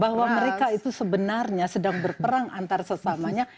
bahwa mereka itu sebenarnya sedang berperang antar sesamanya